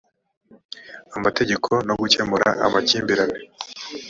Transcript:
amategeko no gukemura amakimbirane